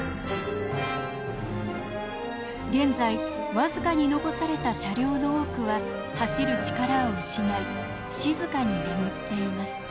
現在僅かに残された車両の多くは走る力を失い静かに眠っています。